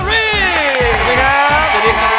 สวัสดีครับ